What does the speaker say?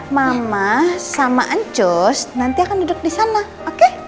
mama sama ancus nanti akan duduk disana oke